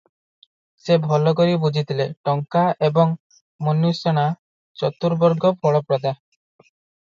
ସେ ଭଲକରି ବୁଝିଥିଲେ "ଟଙ୍କା ଏବଂ ମନୁଷ୍ୟାଣାଂ ଚତୁବର୍ଗଫଳପ୍ରଦା ।